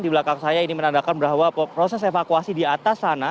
di belakang saya ini menandakan bahwa proses evakuasi di atas sana